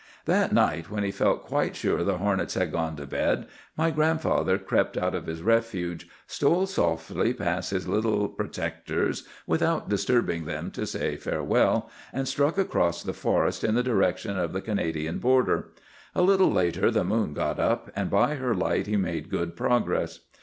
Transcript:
"That night, when he felt quite sure the hornets had gone to bed, my grandfather crept out of his refuge, stole softly past his little protectors without disturbing them to say farewell, and struck across the forest in the direction of the Canadian border. A little later the moon got up, and by her light he made good progress.